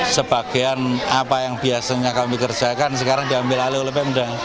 sebagian apa yang biasanya kami kerjakan sekarang diambil alih oleh pemda